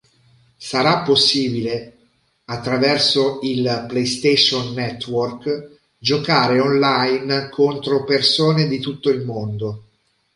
Sarà possibile, attraverso il PlayStation Network, giocare online contro persone di tutto il mondo.